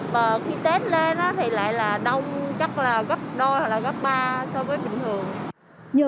và khi tết lên thì lại là đông gấp là gấp đôi hoặc là gấp ba so với bình thường